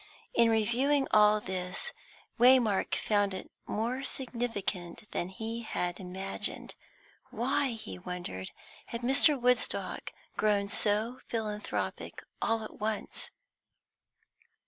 In reviewing all this, Waymark found it more significant than he had imagined. Why, he wondered, had Mr. Woodstock grown so philanthrophic all at once?